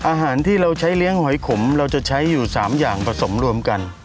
อาหารที่เราใช้เลี้ยงหอยขมเราจะใช้อยู่๓อย่างผสมรวมกัน